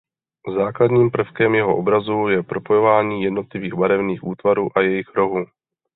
Základním prvkem jeho obrazů je propojování jednotlivých barevných útvarů a jejich rohů.